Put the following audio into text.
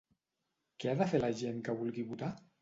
Què ha de fer la gent que vulgui votar?